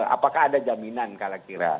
apakah ada jaminan kira kira